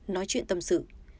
nói chuyện tâm sự